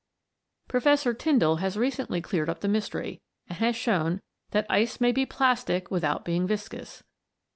Professor Tyndall has recently cleared up the mystery, and has shown that ice may be plastic without being viscous.